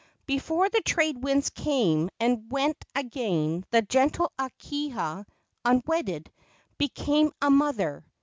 Before the trade winds came and went again the gentle Akahia, unwedded, became a mother.